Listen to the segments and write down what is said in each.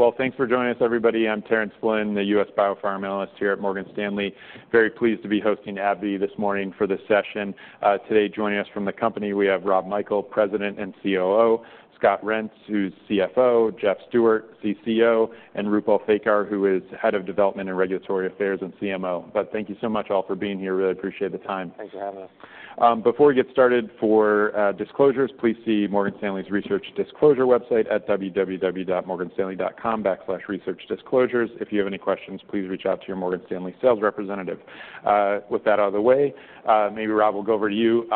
Great. Well, thanks for joining us, everybody. I'm Terence Flynn, the U.S. Biopharma Analyst here at Morgan Stanley. Very pleased to be hosting AbbVie this morning for this session. Today, joining us from the company, we have Rob Michael, President and COO, Scott Reents, who's CFO, Jeff Stewart, CCO, and Roopal Thakkar, who is Head of Development and Regulatory Affairs and CMO. But thank you so much, all, for being here. Really appreciate the time. Thanks for having us. Before we get started, for disclosures, please see Morgan Stanley's Research Disclosure website at www.morganstanley.com/researchdisclosures. If you have any questions, please reach out to your Morgan Stanley sales representative. With that out of the way, maybe, Rob, we'll go over to you.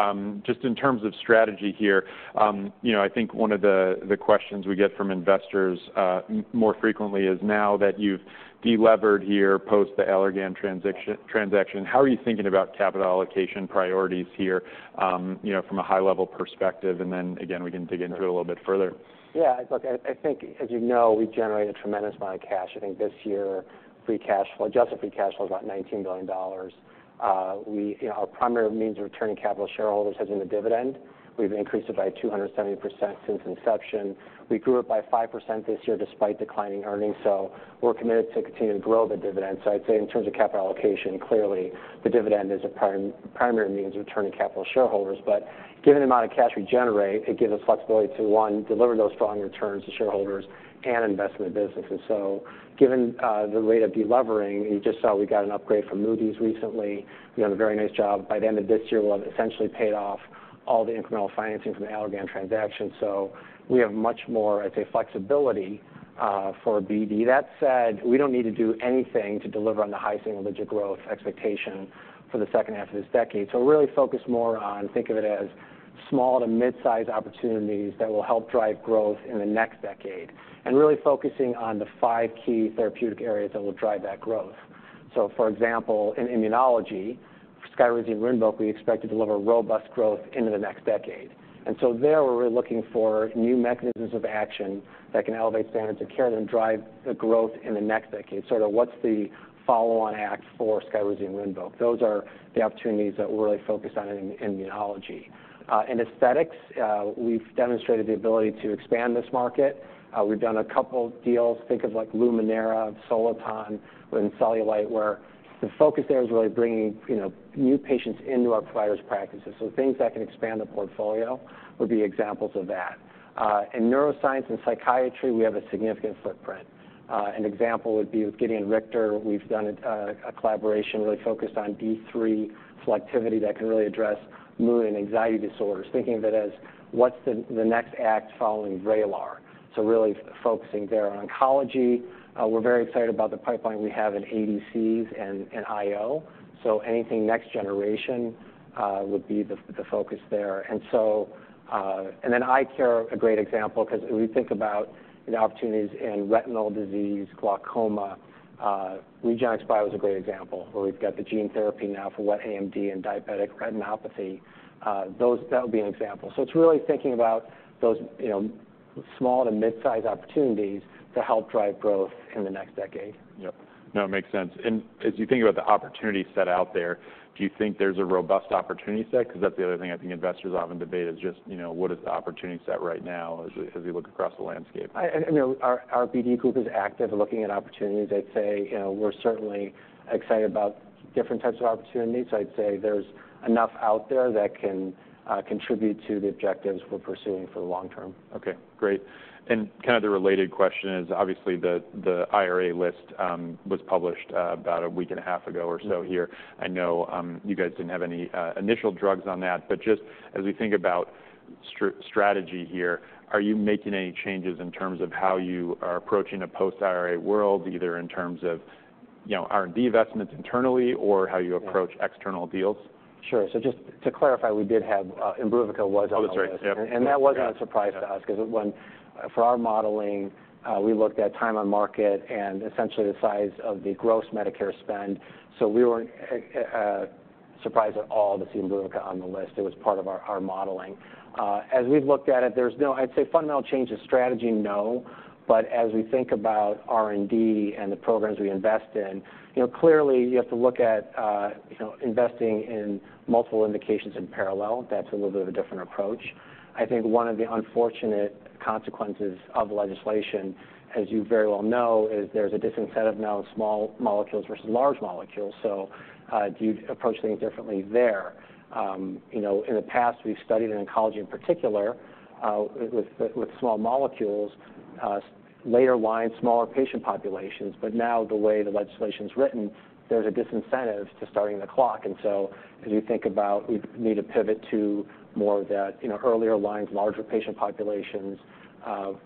Just in terms of strategy here, you know, I think one of the questions we get from investors more frequently is now that you've delevered here post the Allergan transaction, how are you thinking about capital allocation priorities here, you know, from a high-level perspective? And then, again, we can dig into it a little bit further. Yeah, look, I, I think, as you know, we've generated a tremendous amount of cash. I think this year, free cash flow, adjusted free cash flow is about $19 billion. We... You know, our primary means of returning capital to shareholders has been the dividend. We've increased it by 270% since inception. We grew it by 5% this year despite declining earnings, so we're committed to continuing to grow the dividend. So I'd say in terms of capital allocation, clearly the dividend is a primary means of returning capital to shareholders. But given the amount of cash we generate, it gives us flexibility to, one, deliver those strong returns to shareholders and invest in the businesses. So given the rate of delivering, you just saw we got an upgrade from Moody's recently. We done a very nice job. By the end of this year, we'll have essentially paid off all the incremental financing from the Allergan transaction. So we have much more, I'd say, flexibility for BD. That said, we don't need to do anything to deliver on the high single-digit growth expectation for the second half of this decade. So we're really focused more on thinking of it as small to mid-size opportunities that will help drive growth in the next decade, and really focusing on the five key therapeutic areas that will drive that growth. So for example, in immunology, SKYRIZI and RINVOQ, we expect to deliver robust growth into the next decade. And so there, we're really looking for new mechanisms of action that can elevate standards of care and then drive the growth in the next decade. Sort of what's the follow-on act for SKYRIZI and RINVOQ? Those are the opportunities that we're really focused on in immunology. In aesthetics, we've demonstrated the ability to expand this market. We've done a couple deals. Think of, like, Luminera, Soliton, with cellulite, where the focus there is really bringing, you know, new patients into our providers' practices. So things that can expand the portfolio would be examples of that. In neuroscience and psychiatry, we have a significant footprint. An example would be with Gedeon Richter. We've done a collaboration really focused on D3 selectivity that can really address mood and anxiety disorders, thinking of it as, what's the next act following VRAYLAR? So really focusing there on oncology. We're very excited about the pipeline we have in ADCs and IO. So anything next generation would be the focus there. And so... And then eye care, a great example, 'cause if we think about the opportunities in retinal disease, glaucoma, Regenxbio is a great example, where we've got the gene therapy now for wet AMD and diabetic retinopathy. That would be an example. So it's really thinking about those, you know, small to mid-size opportunities to help drive growth in the next decade. Yep. No, it makes sense. And as you think about the opportunity set out there, do you think there's a robust opportunity set? Because that's the other thing I think investors often debate is just, you know, what is the opportunity set right now as we look across the landscape? You know, our BD group is active and looking at opportunities. I'd say, you know, we're certainly excited about different types of opportunities. I'd say there's enough out there that can contribute to the objectives we're pursuing for the long term. Okay, great. And kind of the related question is, obviously, the IRA list was published about a week and a half ago or so here. I know, you guys didn't have any initial drugs on that, but just as we think about strategy here, are you making any changes in terms of how you are approaching a post-IRA world, either in terms of, you know, R&D investments internally or how you approach external deals? Sure. So just to clarify, we did have, IMBRUVICA was on the list. Oh, that's right. That wasn't a surprise to us, 'cause it for our modeling, we looked at time on market and essentially the size of the gross Medicare spend. So we weren't surprised at all to see Imbruvica on the list. It was part of our modeling. As we've looked at it, there's no, I'd say fundamental change of strategy, no. But as we think about R&D and the programs we invest in, you know, clearly you have to look at, you know, investing in multiple indications in parallel. That's a little bit of a different approach. I think one of the unfortunate consequences of the legislation, as you very well know, is there's a disincentive now of small molecules versus large molecules, so, do you approach things differently there? You know, in the past, we've studied in oncology in particular, with, with small molecules, later lines, smaller patient populations. But now, the way the legislation's written, there's a disincentive to starting the clock. And so as you think about, we need to pivot to more of that, you know, earlier lines, larger patient populations,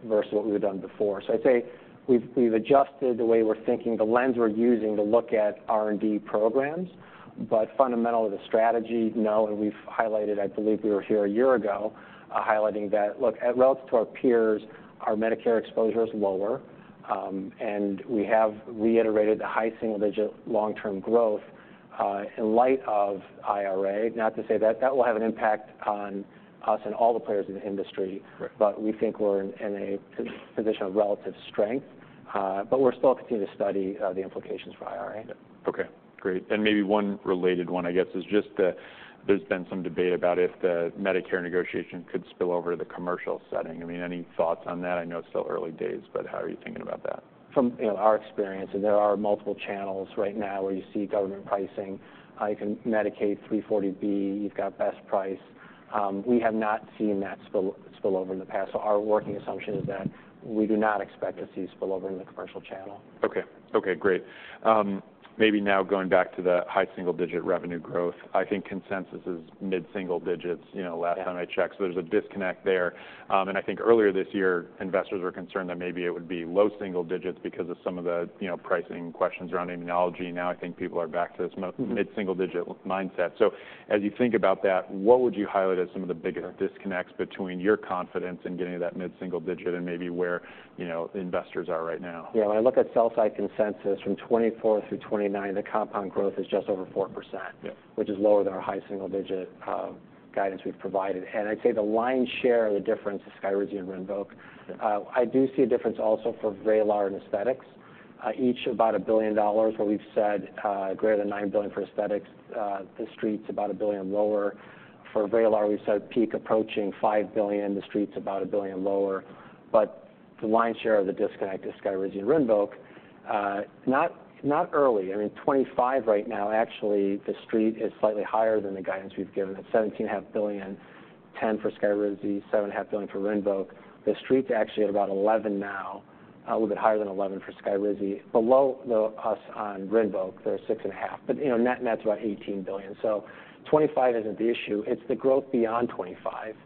versus what we've done before. So I'd say we've, we've adjusted the way we're thinking, the lens we're using to look at R&D programs. But fundamental to the strategy, no, and we've highlighted... I believe we were here a year ago, highlighting that, look, as relative to our peers, our Medicare exposure is lower. And we have reiterated the high single digit long-term growth, in light of IRA. Not to say that-- that will have an impact on us and all the players in the industry but we think we're in a position of relative strength. But we're still continuing to study the implications for IRA. Yep. Okay, great. Maybe one related one, I guess, is just that there's been some debate about if the Medicare negotiation could spill over to the commercial setting. I mean, any thoughts on that? I know it's still early days, but how are you thinking about that? From, you know, our experience, there are multiple channels right now where you see government pricing. You can Medicaid 340B, you've got best price. We have not seen that spill over in the past, so our working assumption is that we do not expect to see spillover in the commercial channel. Okay. Okay, great. Maybe now going back to the high single-digit revenue growth, I think consensus is mid-single digits, you know-Yeah-last time I checked, so there's a disconnect there. And I think earlier this year, investors were concerned that maybe it would be low single digits because of some of the, you know, pricing questions around immunology. Now, I think people are back to this mid-single digit mindset. As you think about that, what would you highlight as some of the bigger disconnects between your confidence in getting to that mid-single digit and maybe where, you know, investors are right now? Yeah, when I look at sell-side consensus from 2024 through 2029, the compound growth is just over 4%. Yeah Which is lower than our high single-digit guidance we've provided. And I'd say the lion's share of the difference is SKYRIZI and RINVOQ. I do see a difference also for VRAYLAR and aesthetics, each about $1 billion, where we've said greater than $9 billion for aesthetics. The street's about $1 billion lower. For VRAYLAR, we've said peak approaching $5 billion, the street's about $1 billion lower. But the lion's share of the disconnect is SKYRIZI and RINVOQ. Not early. I mean, $25 billion right now, actually, the street is slightly higher than the guidance we've given. It's $17.5 billion, $10 billion for SKYRIZI, $7.5 billion for RINVOQ. The street's actually at about $11 billion now, a little bit higher than $11 billion for SKYRIZI. Below the U.S. on RINVOQ, there are $6.5 billion, but, you know, net, and that's about $18 billion. So $25 billion isn't the issue, it's the growth beyond $25 billion.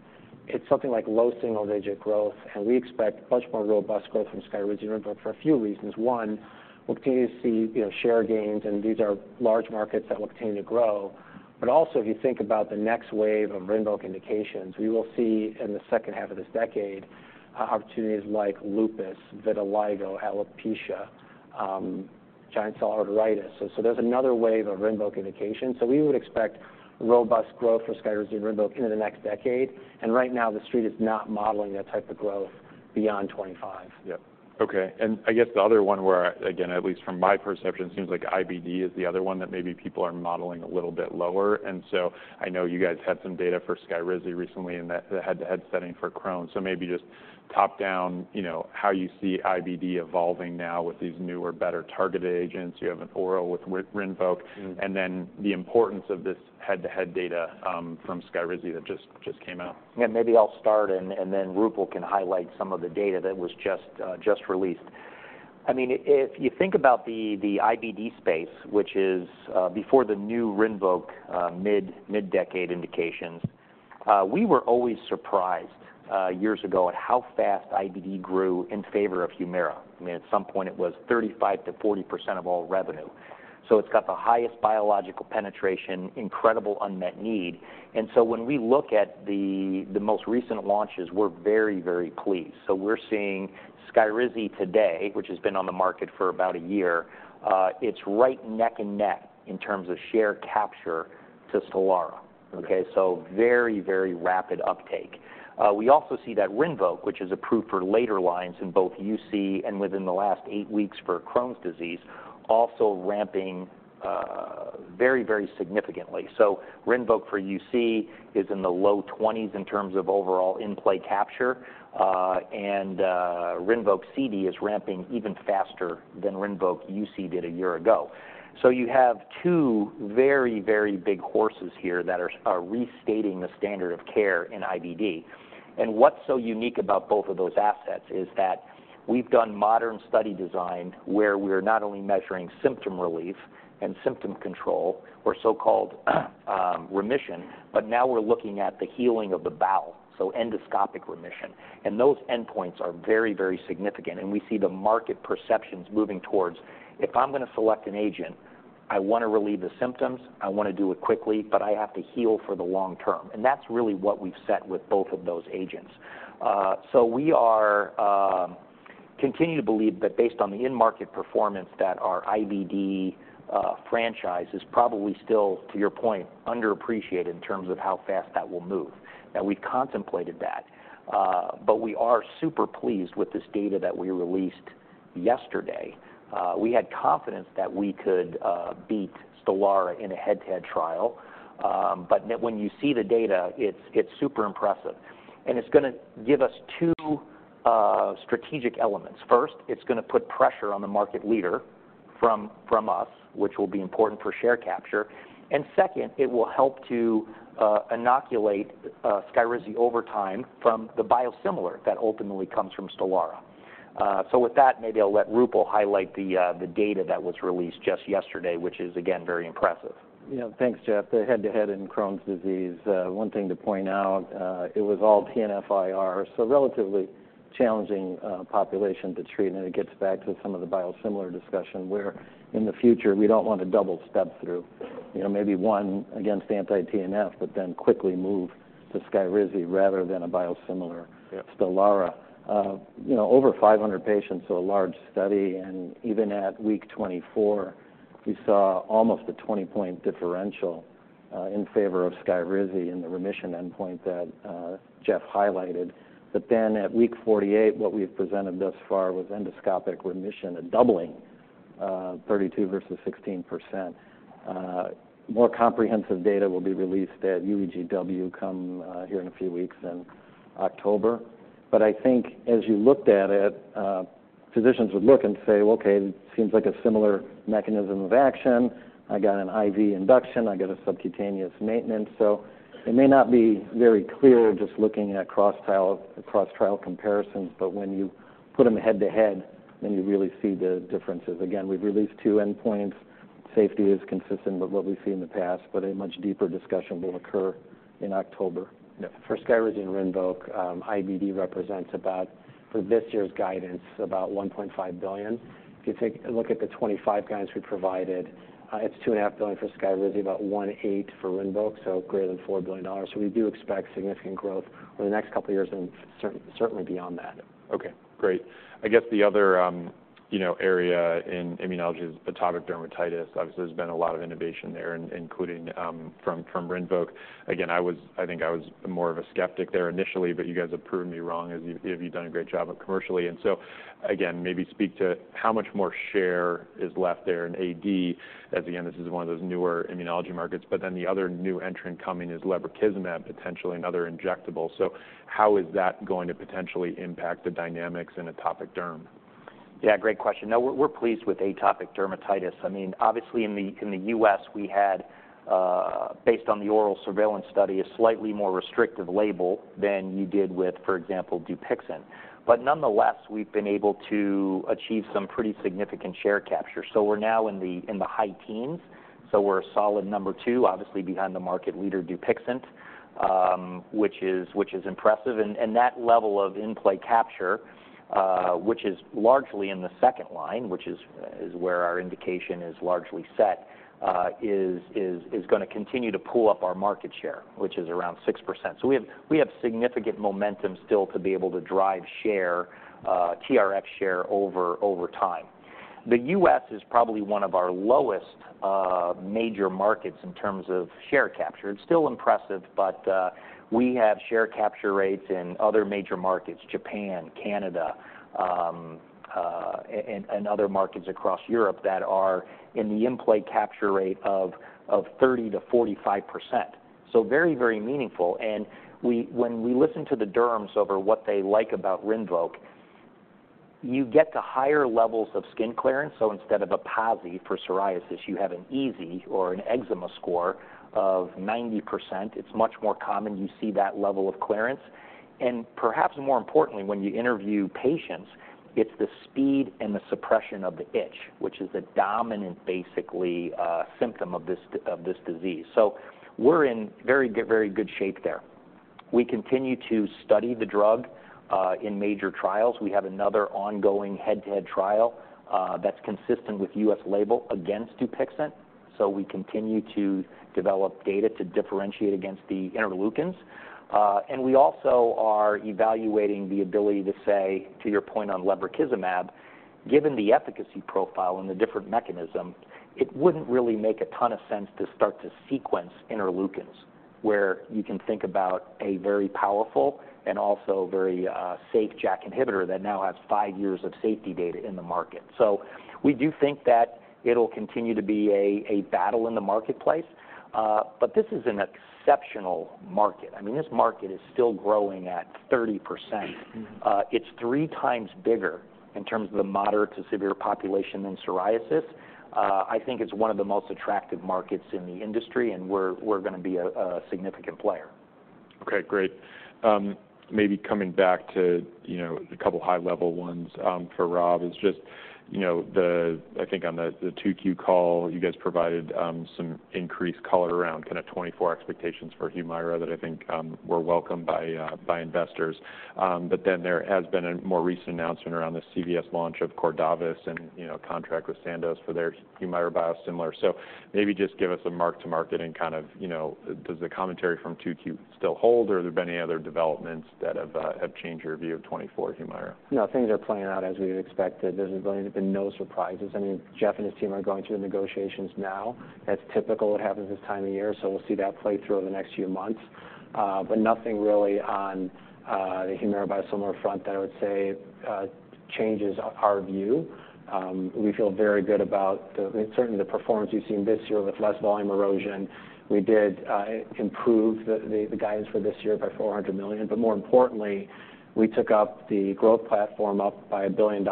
It's something like low single-digit growth, and we expect much more robust growth from SKYRIZI and RINVOQ for a few reasons. One, we'll continue to see, you know, share gains, and these are large markets that will continue to grow. But also, if you think about the next wave of RINVOQ indications, we will see in the second half of this decade, opportunities like lupus, vitiligo, alopecia, giant cell arteritis. So, so there's another wave of RINVOQ indications. So we would expect robust growth for SKYRIZI and RINVOQ into the next decade, and right now, the street is not modeling that type of growth beyond 25. Yep, okay. And I guess the other one where, again, at least from my perception, it seems like IBD is the other one that maybe people are modeling a little bit lower. And so I know you guys had some data for SKYRIZI recently in that, the head-to-head setting for Crohn's. So maybe just top down, you know, how you see IBD evolving now with these newer, better targeted agents. You have an oral with RINVOQ. And then the importance of this head-to-head data from SKYRIZI that just came out. Yeah, maybe I'll start and then Roopal can highlight some of the data that was just released. I mean, if you think about the IBD space, which is before the new RINVOQ mid-decade indications, we were always surprised years ago at how fast IBD grew in favor of HUMIRA. I mean, at some point it was 35%-40% of all revenue. So it's got the highest biological penetration, incredible unmet need. And so when we look at the most recent launches, we're very, very pleased. So we're seeing SKYRIZI today, which has been on the market for about a year, it's right neck and neck in terms of share capture to STELARA. Okay, so very, very rapid uptake. We also see that RINVOQ, which is approved for later lines in both UC and within the last eight weeks for Crohn's disease, also ramping very, very significantly. So RINVOQ for UC is in the low 20s in terms of overall in-play capture. And RINVOQ CD is ramping even faster than RINVOQ UC did a year ago. So you have two very, very big horses here that are restating the standard of care in IBD. And what's so unique about both of those assets is that we've done modern study design, where we're not only measuring symptom relief and symptom control or so-called remission, but now we're looking at the healing of the bowel, so endoscopic remission. Those endpoints are very, very significant, and we see the market perceptions moving towards, "If I'm gonna select an agent, I want to relieve the symptoms, I want to do it quickly, but I have to heal for the long term." That's really what we've set with both of those agents. So we are continue to believe that based on the in-market performance, that our IBD franchise is probably still, to your point, underappreciated in terms of how fast that will move. Now, we've contemplated that, but we are super pleased with this data that we released yesterday. We had confidence that we could beat STELARA in a head-to-head trial, but when you see the data, it's super impressive, and it's gonna give us two strategic elements. First, it's gonna put pressure on the market leader from us, which will be important for share capture. And second, it will help to inoculate SKYRIZI over time from the biosimilar that ultimately comes from STELARA. So with that, maybe I'll let Roopal highlight the data that was released just yesterday, which is, again, very impressive. Yeah. Thanks, Jeff. The head-to-head in Crohn's disease, one thing to point out, it was all TNFiR, so a relatively challenging population to treat. And it gets back to some of the biosimilar discussion, where in the future, we don't want to double step through. You know, maybe one against anti-TNF, but then quickly move to SKYRIZI rather than a biosimilar STELARA. You know, over 500 patients, so a large study, and even at week 24, we saw almost a 20-point differential, in favor of SKYRIZI in the remission endpoint that, Jeff highlighted. But then at week 48, what we've presented thus far was endoscopic remission, a doubling 32 versus 16%. More comprehensive data will be released at UEGW come here in a few weeks in October. But I think as you looked at it, physicians would look and say, "Well, okay, it seems like a similar mechanism of action. I got an IV induction, I get a subcutaneous maintenance." So it may not be very clear just looking at cross trial, across trial comparisons, but when you put them head-to-head, then you really see the differences. Again, we've released two endpoints. Safety is consistent with what we've seen in the past, but a much deeper discussion will occur in October. For SKYRIZI and RINVOQ, IBD represents about, for this year's guidance, about $1.5 billion. If you take a look at the 25 guides we provided, it's $2.5 billion for SKYRIZI, about $1.8 billion for RINVOQ, so greater than $4 billion. So we do expect significant growth over the next couple of years and certainly beyond that. Okay, great. I guess the other, you know, area in immunology is atopic dermatitis. Obviously, there's been a lot of innovation there, including from RINVOQ. Again, I was—I think I was more of a skeptic there initially, but you guys have proven me wrong, as you've done a great job commercially. And so again, maybe speak to how much more share is left there in AD as, again, this is one of those newer immunology markets, but then the other new entrant coming is lebrikizumab, potentially another injectable. So how is that going to potentially impact the dynamics in atopic derm? Yeah, great question. No, we're pleased with atopic dermatitis. I mean, obviously in the U.S., we had based on the oral surveillance study, a slightly more restrictive label than you did with, for example, Dupixent. But nonetheless, we've been able to achieve some pretty significant share capture. So we're now in the high teens, so we're a solid number two, obviously behind the market leader, Dupixent, which is impressive. And that level of in-label capture, which is largely in the second line, which is where our indication is largely set, is gonna continue to pull up our market share, which is around 6%. So we have significant momentum still to be able to drive share, TNF share over time. The U.S. is probably one of our lowest major markets in terms of share capture. It's still impressive, but we have share capture rates in other major markets, Japan, Canada, and other markets across Europe that are in the in-play capture rate of 30%-45%. So very, very meaningful. And when we listen to the derms over what they like about RINVOQ, you get to higher levels of skin clearance. So instead of a PASI for psoriasis, you have an EASI or an eczema score of 90%. It's much more common you see that level of clearance. And perhaps more importantly, when you interview patients, it's the speed and the suppression of the itch, which is a dominant, basically symptom of this disease. So we're in very good, very good shape there. We continue to study the drug in major trials. We have another ongoing head-to-head trial that's consistent with U.S. label against Dupixent, so we continue to develop data to differentiate against the interleukins. And we also are evaluating the ability to say, to your point on lebrikizumab, given the efficacy profile and the different mechanism, it wouldn't really make a ton of sense to start to sequence interleukins, where you can think about a very powerful and also very safe JAK inhibitor that now has five years of safety data in the market. So we do think that it'll continue to be a battle in the marketplace, but this is an exceptional market. I mean, this market is still growing at 30%. It's three times bigger in terms of the moderate to severe population than psoriasis. I think it's one of the most attractive markets in the industry, and we're gonna be a significant player. Okay, great. Maybe coming back to, you know, a couple of high-level ones, for Rob. It's just, you know, the... I think on the, the 2Q call, you guys provided, some increased color around kind of 2024 expectations for HUMIRA that I think, were welcomed by, by investors. But then there has been a more recent announcement around the CVS launch of Cordavis and, you know, contract with Sandoz for their HUMIRA biosimilar. So maybe just give us a mark-to-market and kind of, you know, does the commentary from 2Q still hold, or have there been any other developments that have, have changed your view of 2024 HUMIRA? No, things are playing out as we expected. There's been no surprises. I mean, Jeff and his team are going through the negotiations now. That's typical. It happens this time of year, so we'll see that play through over the next few months. But nothing really on the HUMIRA biosimilar front that I would say changes our view. We feel very good about the, certainly the performance we've seen this year with less volume erosion. We did improve the guidance for this year by $400 million, but more importantly, we took up the growth platform up by $1 billion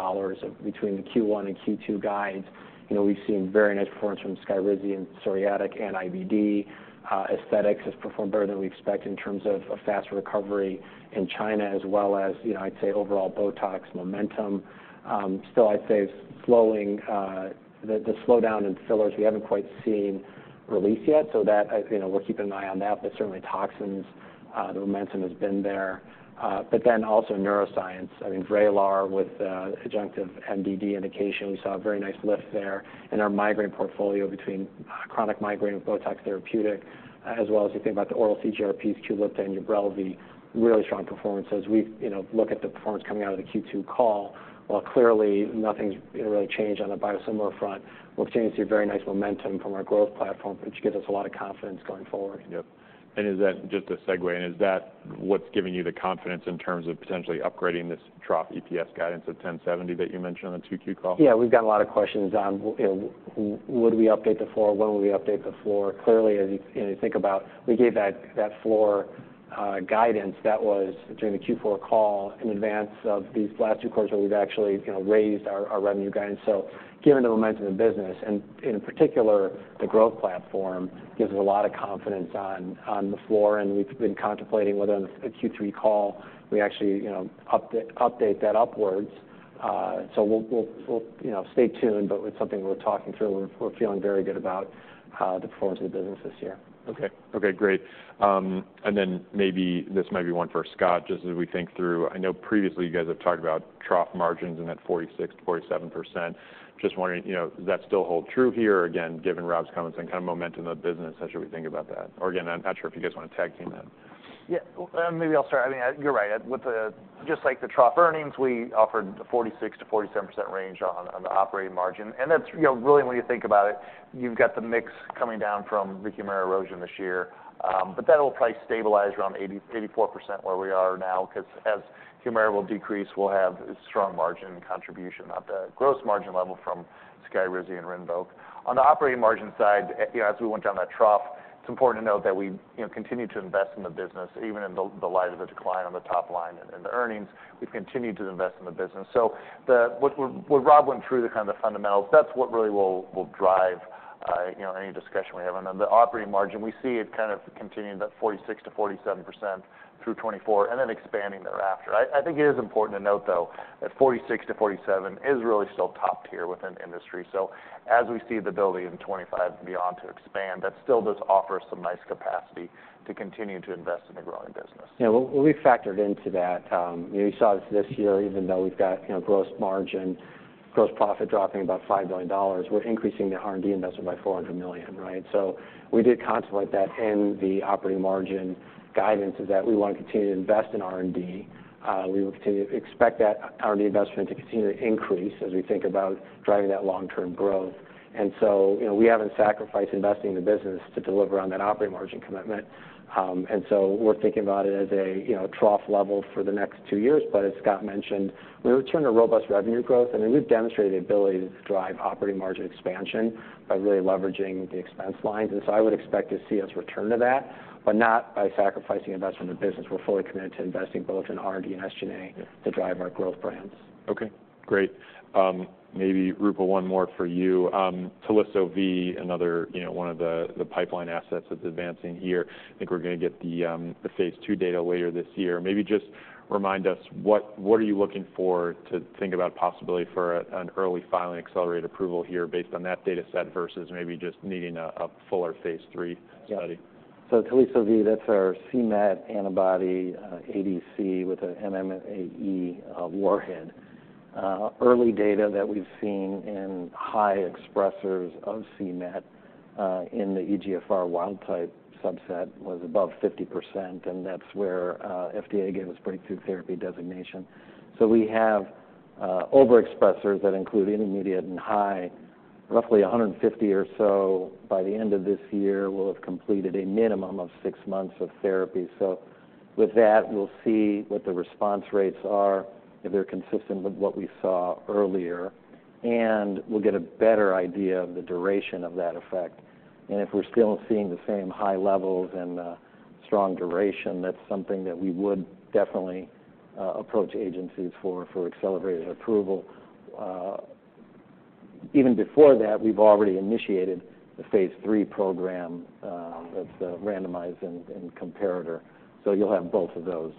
between the Q1 and Q2 guides. You know, we've seen very nice performance from SKYRIZI and psoriatic and IBD. Aesthetics has performed better than we expect in terms of a faster recovery in China, as well as, you know, I'd say, overall BOTOX momentum. Still, I'd say, slowing, the slowdown in fillers, we haven't quite seen release yet. So that, you know, we're keeping an eye on that, but certainly toxins, the momentum has been there. But then also neuroscience. I mean, VRAYLAR, with the adjunctive MDD indication, we saw a very nice lift there. And our migraine portfolio between, chronic migraine with BOTOX therapeutic, as well as you think about the oral CGRP, QULIPTA and UBRELVY, really strong performance. As we, you know, look at the performance coming out of the Q2 call, while clearly nothing's really changed on the biosimilar front-...We'll continue to see very nice momentum from our growth platform, which gives us a lot of confidence going forward. Yep. And is that just a segue, and is that what's giving you the confidence in terms of potentially upgrading this trough EPS guidance of $10.70 that you mentioned on the 2Q call? Yeah, we've got a lot of questions on, you know, would we update the floor? When will we update the floor? Clearly, as you, you know, think about, we gave that floor guidance that was during the Q4 call in advance of these last two quarters, where we've actually, you know, raised our revenue guidance. So given the momentum of the business, and in particular, the growth platform gives us a lot of confidence on the floor, and we've been contemplating whether on the Q3 call, we actually, you know, update that upwards. So we'll, you know, stay tuned, but it's something we're talking through. We're feeling very good about the performance of the business this year. Okay. Okay, great. And then maybe this might be one for Scott, just as we think through. I know previously you guys have talked about trough margins and that 46%-47%. Just wondering, you know, does that still hold true here? Again, given Rob's comments and kind of momentum of the business, how should we think about that? Or again, I'm not sure if you guys want to tag team that. Yeah, maybe I'll start. I mean, you're right. Just like the trough earnings, we offered a 46%-47% range on the operating margin. And that's, you know, really, when you think about it, you've got the mix coming down from the HUMIRA erosion this year, but that'll probably stabilize around 80%-84% where we are now. Because as HUMIRA will decrease, we'll have a strong margin contribution at the gross margin level from SKYRIZI and RINVOQ. On the operating margin side, you know, as we went down that trough, it's important to note that we, you know, continued to invest in the business, even in the light of a decline on the top line and the earnings, we've continued to invest in the business. So what Rob went through, the kind of fundamentals, that's what really will drive, you know, any discussion we have. On the operating margin, we see it kind of continuing that 46%-47% through 2024 and then expanding thereafter. I think it is important to note, though, that 46%-47% is really still top tier within the industry. As we see the ability in 2025 and beyond to expand, that still does offer some nice capacity to continue to invest in a growing business. Yeah, well, we factored into that. You saw this, this year, even though we've got, you know, gross margin, gross profit dropping about $5 billion, we're increasing the R&D investment by $400 million, right? So we did contemplate that in the operating margin guidance, is that we want to continue to invest in R&D. We will continue to expect that R&D investment to continue to increase as we think about driving that long-term growth. And so, you know, we haven't sacrificed investing in the business to deliver on that operating margin commitment. And so we're thinking about it as a, you know, trough level for the next two years. But as Scott mentioned, we return to robust revenue growth, and we've demonstrated the ability to drive operating margin expansion by really leveraging the expense lines. So I would expect to see us return to that, but not by sacrificing investment in the business. We're fully committed to investing both in R&D and SG&A to drive our growth brands. Okay, great. Maybe Roopal, one more for you. Teliso-V, another, you know, one of the, the pipeline assets that's advancing here. I think we're gonna get the, the phase two data later this year. Maybe just remind us, what, what are you looking for to think about possibility for an early filing, accelerated approval here based on that data set versus maybe just needing a, a fuller phase three study? Yeah. So Teliso-V, that's our c-Met antibody, ADC with an MMAE warhead. Early data that we've seen in high expressers of c-Met in the EGFR wild-type subset was above 50%, and that's where FDA gave us breakthrough therapy designation. So we have overexpressers that include intermediate and high. Roughly 150 or so by the end of this year will have completed a minimum of six months of therapy. So with that, we'll see what the response rates are, if they're consistent with what we saw earlier, and we'll get a better idea of the duration of that effect. And if we're still seeing the same high levels and strong duration, that's something that we would definitely approach agencies for accelerated approval. Even before that, we've already initiated the phase three program, that's randomized and comparator. So you'll have both of those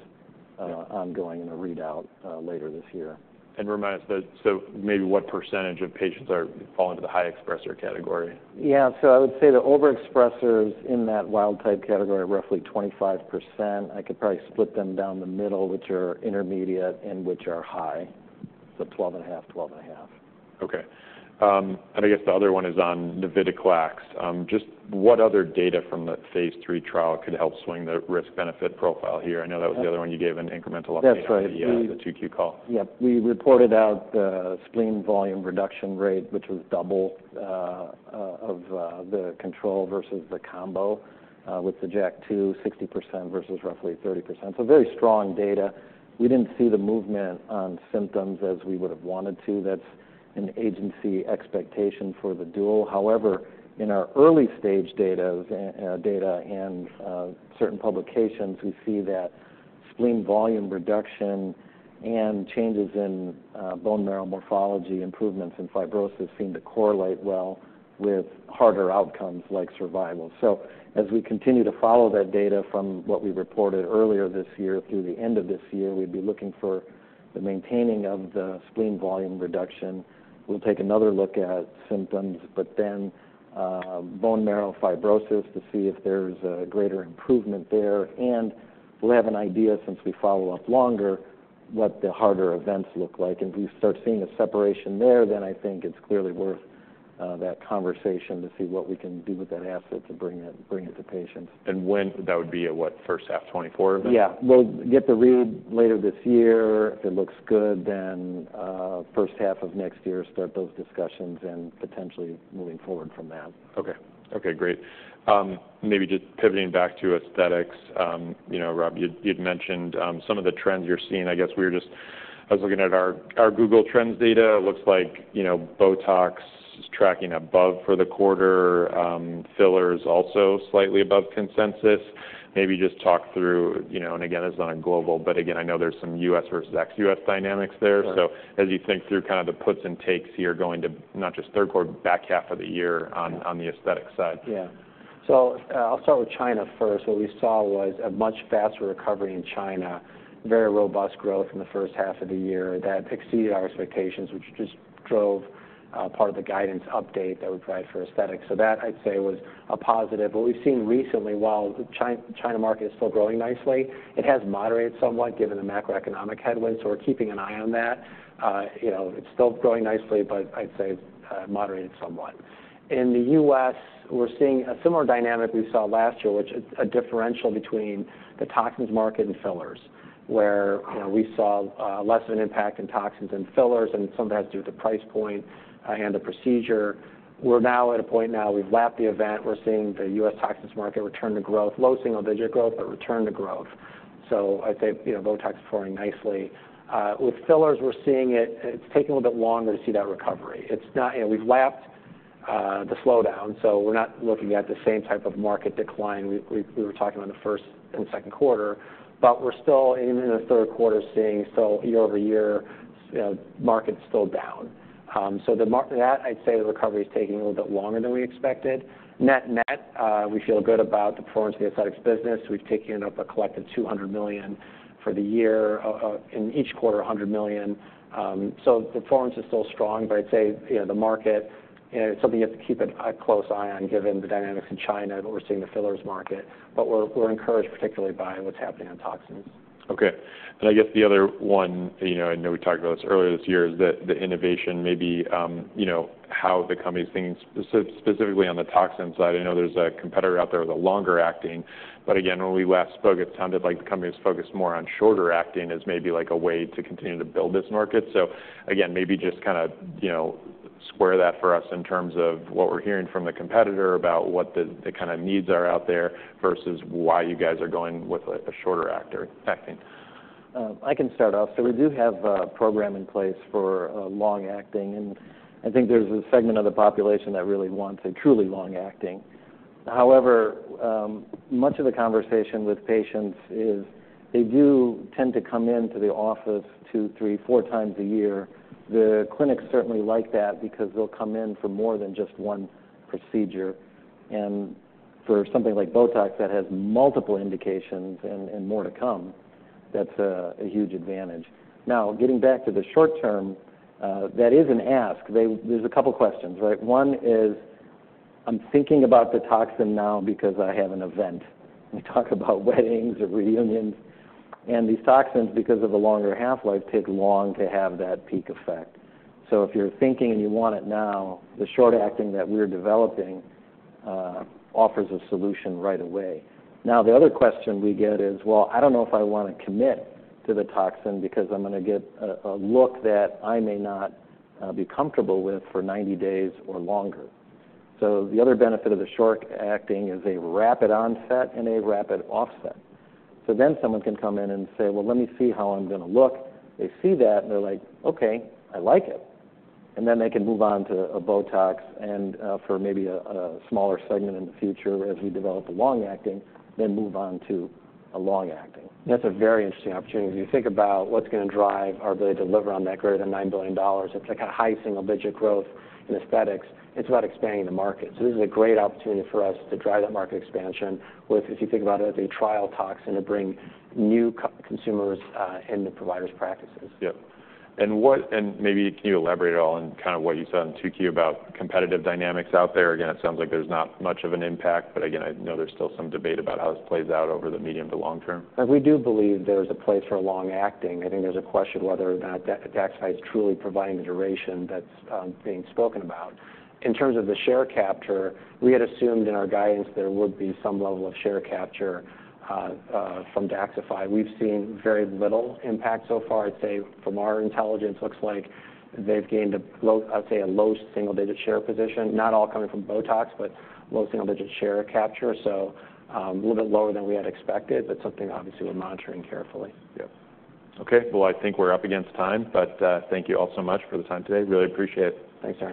ongoing in a readout later this year. Remind us, so maybe what percentage of patients are falling to the high expressor category? Yeah. So I would say the overexpressers in that wild-type category are roughly 25%. I could probably split them down the middle, which are intermediate and which are high, so 12.5, 12.5. Okay. And I guess the other one is on navitoclax. Just what other data from that phase III trial could help swing the risk-benefit profile here? I know that was the other one you gave an incremental update- That's right - on the 2Q call. Yep. We reported out the spleen volume reduction rate, which was double of the control versus the combo with the JAK2, 60% versus roughly 30%. So very strong data. We didn't see the movement on symptoms as we would have wanted to. That's an agency expectation for the dual. However, in our early-stage datas, data and certain publications, we see that spleen volume reduction and changes in bone marrow morphology, improvements in fibrosis seem to correlate well with harder outcomes like survival. So as we continue to follow that data from what we reported earlier this year through the end of this year, we'd be looking for the maintaining of the spleen volume reduction. We'll take another look at symptoms, but then bone marrow fibrosis, to see if there's a greater improvement there. We'll have an idea, since we follow up longer, what the harder events look like. If we start seeing a separation there, then I think it's clearly worth that conversation to see what we can do with that asset to bring it to patients. When that would be, at what, first half 2024 event? Yeah. We'll get the read later this year. If it looks good, then, first half of next year, start those discussions and potentially moving forward from that. Okay. Okay, great. Maybe just pivoting back to aesthetics. You know, Rob, you, you'd mentioned some of the trends you're seeing. I guess I was looking at our Google Trends data. It looks like, you know, BOTOX is tracking above for the quarter, fillers also slightly above consensus. Maybe just talk through, you know, and again, it's on a global, but again, I know there's some U.S. versus ex-U.S. dynamics there. Sure. As you think through kind of the puts and takes here, going to not just third quarter, but back half of the year on, on the aesthetics side. Yeah. So, I'll start with China first. What we saw was a much faster recovery in China, very robust growth in the first half of the year. That exceeded our expectations, which just drove part of the guidance update that we provided for aesthetics. So that, I'd say, was a positive. But we've seen recently, while the China market is still growing nicely, it has moderated somewhat given the macroeconomic headwinds, so we're keeping an eye on that. You know, it's still growing nicely, but I'd say, moderated somewhat. In the U.S., we're seeing a similar dynamic we saw last year, which a differential between the toxins market and fillers, where, you know, we saw less of an impact in toxins than fillers, and sometimes due to price point and the procedure. We're now at a point now, we've lapped the event. We're seeing the U.S. toxins market return to growth. Low single-digit growth, but return to growth. So I'd say, you know, Botox is performing nicely. With fillers, we're seeing it, it's taking a little bit longer to see that recovery. It's not... You know, we've lapped the slowdown, so we're not looking at the same type of market decline we were talking about in the first and second quarter, but we're still, even in the third quarter, seeing so year over year, you know, market's still down. So that I'd say the recovery is taking a little bit longer than we expected. Net-net, we feel good about the performance of the aesthetics business. We've taken up a collective $200 million for the year, in each quarter, $100 million. So the performance is still strong, but I'd say, you know, the market, you know, it's something you have to keep a close eye on, given the dynamics in China, what we're seeing in the fillers market. But we're encouraged, particularly by what's happening on toxins. Okay. And I guess the other one, you know, I know we talked about this earlier this year, is the innovation maybe, you know, how the company is thinking, specifically on the toxin side. I know there's a competitor out there with a longer acting, but again, when we last spoke, it sounded like the company was focused more on shorter acting as maybe like a way to continue to build this market. So again, maybe just kinda, you know, square that for us in terms of what we're hearing from the competitor about what the kind of needs are out there, versus why you guys are going with a shorter acting. I can start off. So we do have a program in place for long-acting, and I think there's a segment of the population that really wants a truly long-acting. However, much of the conversation with patients is they do tend to come into the office two, three, four times a year. The clinics certainly like that because they'll come in for more than just one procedure. And for something like BOTOX, that has multiple indications and more to come, that's a huge advantage. Now, getting back to the short term, that is an ask. They. There's a couple of questions, right? One is: I'm thinking about the toxin now because I have an event. We talk about weddings or reunions, and these toxins, because of the longer half-life, take long to have that peak effect. So if you're thinking and you want it now, the short acting that we're developing offers a solution right away. Now, the other question we get is: Well, I don't know if I want to commit to the toxin because I'm gonna get a, a look that I may not be comfortable with for 90 days or longer. So the other benefit of the short acting is a rapid onset and a rapid offset. So then someone can come in and say, "Well, let me see how I'm gonna look." They see that and they're like, "Okay, I like it." And then they can move on to a BOTOX and, for maybe a, a smaller segment in the future as we develop the long acting, then move on to a long acting. That's a very interesting opportunity. If you think about what's gonna drive our ability to deliver on that greater than $9 billion, it's like a high single-digit growth in aesthetics. It's about expanding the market. This is a great opportunity for us to drive that market expansion with, if you think about it, as a trial toxin to bring new co-consumers into providers' practices. Yep. And maybe can you elaborate at all on kind of what you said in 2Q about competitive dynamics out there? Again, it sounds like there's not much of an impact, but again, I know there's still some debate about how this plays out over the medium to long term. We do believe there's a place for long acting. I think there's a question whether or not Daxxify is truly providing the duration that's being spoken about. In terms of the share capture, we had assumed in our guidance there would be some level of share capture from Daxxify. We've seen very little impact so far. I'd say from our intelligence, looks like they've gained a low, I'd say, a low single-digit share position. Not all coming from BOTOX, but low single-digit share capture. So, a little bit lower than we had expected, but something obviously we're monitoring carefully. Yep. Okay, well, I think we're up against time, but, thank you all so much for the time today. Really appreciate it. Thanks.